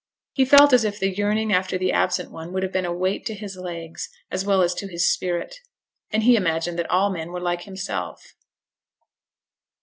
He felt as if the yearning after the absent one would have been a weight to his legs, as well as to his spirit; and he imagined that all men were like himself.